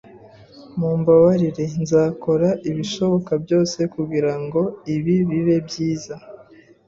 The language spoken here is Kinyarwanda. Mumbabarire. Nzakora ibishoboka byose kugirango ibi bibe byiza.